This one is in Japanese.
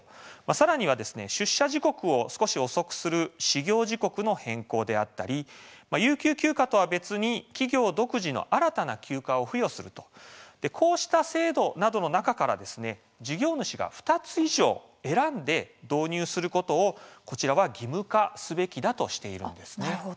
さらに出社時刻を少し遅くする始業時刻の変更であったり有給休暇とは別に企業独自の新たな休暇を付与するこうした制度などの中から事業主が２つ以上選んで導入することを義務化すべきだとしています。